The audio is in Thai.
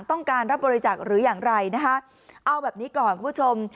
ต้องการรับบริจาคหรืออย่างไรนะคะเอาแบบนี้ก่อนคุณผู้ชม